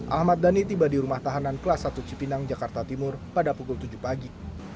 ahmad dhani tiba di rumah tahanan kelas satu cipinang jakarta timur pada pukul tujuh pagi